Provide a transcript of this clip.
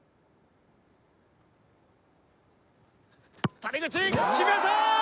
谷口決めた！